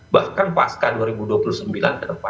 bahkan pasca dua ribu dua puluh sembilan ke depan